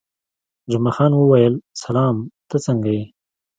جمعه خان وویل: سلام، ته څنګه یې؟